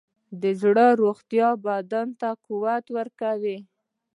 د زړه روغتیا بدن ته قوت ورکوي.